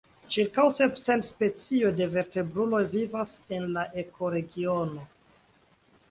Ĉirkaŭ sep cent specioj de vertebruloj vivas en la ekoregiono.